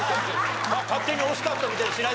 勝手に惜しかったみたいにしないで。